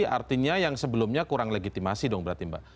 artinya yang sebelumnya kurang legitimasi dong berarti mbak